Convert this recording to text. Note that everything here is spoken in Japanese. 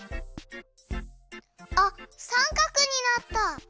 あっさんかくになった！